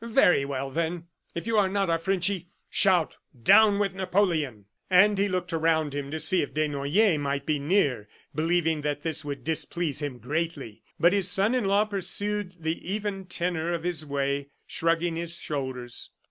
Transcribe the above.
"Very well, then; if you are not a Frenchy, shout, 'Down with Napoleon!'" And he looked around him to see if Desnoyers might be near, believing that this would displease him greatly. But his son in law pursued the even tenor of his way, shrugging his shoulders.